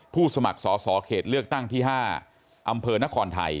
สมัครสอสอเขตเลือกตั้งที่๕อำเภอนครไทย